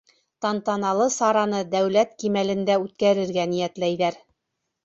Тантаналы сараны дәүләт кимәлендә үткәрергә ниәтләйҙәр.